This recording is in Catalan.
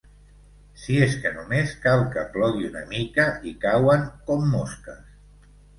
Si és que només cal que plogui una mica i cauen com mosques.